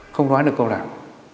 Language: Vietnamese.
không nói được câu nào